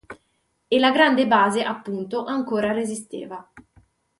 E la grande base, appunto, ancora resisteva.